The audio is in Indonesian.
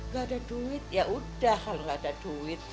gak ada duit ya udah kalau nggak ada duit